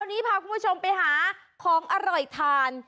วันนี้พาคุณผู้ชมไปหาของอร่อยทาน